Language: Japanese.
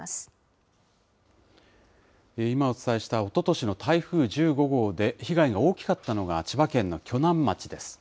今お伝えした、おととしの台風１５号で被害が大きかったのが千葉県の鋸南町です。